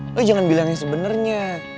lo jangan bilang yang sebenarnya